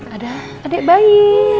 ada adik bayi